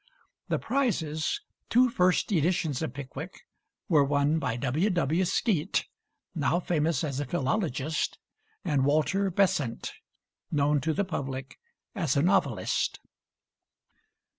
The prizes, two first editions of Pickwick, were won by W. W. Skeat, now famous as a philologist, and Walter Besant, known to the public as a novelist.